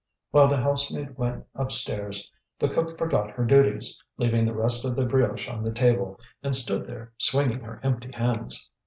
While the housemaid went upstairs, the cook forgot her duties, leaving the rest of the brioche on the table, and stood there swinging her empty hands.